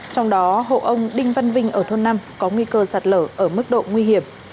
trong đó hộ ông đinh văn vinh ở thôn năm có nguy cơ sạt lở ở mức độ nguy hiểm